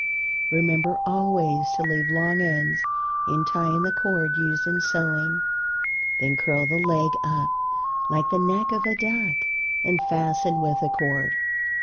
Remember always to leave long ends in tying the cord used in sewing. Then curl the leg up like the neck of a duck and fasten with a cord.